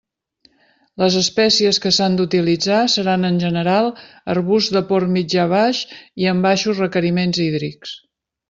Les espècies que s'han d'utilitzar seran en general arbusts de port mitjà-baix i amb baixos requeriments hídrics.